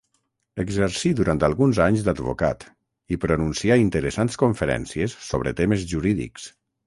Exercí durant alguns anys d'advocat i pronuncià interessants conferències sobre temes jurídics.